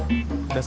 kayak gitu mah ya